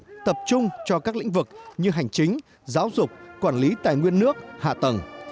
hợp tác chung cho các lĩnh vực như hành chính giáo dục quản lý tài nguyên nước hạ tầng